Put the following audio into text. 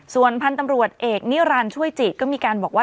ส่วนพันธุ์ตำรวจเอกนิรันดิ์ช่วยจิตก็มีการบอกว่า